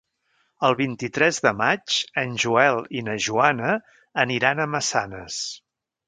El vint-i-tres de maig en Joel i na Joana aniran a Massanes.